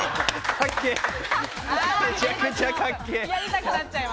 めちゃくちゃ、かっけ！